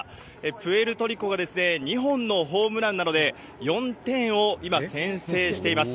プエルトリコが２本のホームランなどで、４点を今、先制しています。